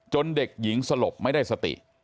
เด็กหญิงสลบไม่ได้สติ